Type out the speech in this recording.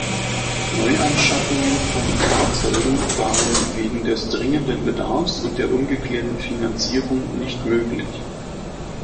Neuanschaffungen von Fahrzeugen waren wegen des dringenden Bedarfs und der ungeklärten Finanzierung nicht möglich.